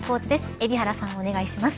海老原さん、お願いします。